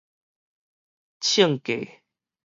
鎗架